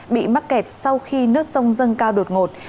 bị mắc kẹt sau khi nước sông dâng cao đột ngột